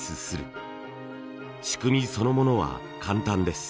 仕組みそのものは簡単です。